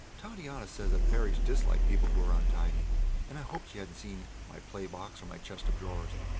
Titania said that Fairies dislike people who are untidy, and I hoped that she hadn't seen my playbox or my chest of drawers.